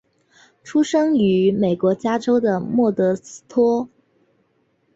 出生于美国加州的莫德斯托。